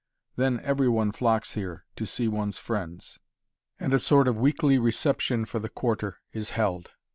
Then every one flocks here to see one's friends and a sort of weekly reception for the Quarter is held.